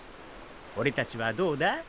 俺たちはどうだ？